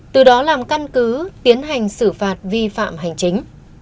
từ đó làm căn cứ tiến hành xử phạt vi phạm hành chính